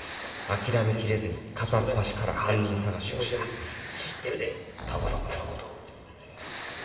諦めきれずに片っ端から犯人捜しをした田畑さんのこと。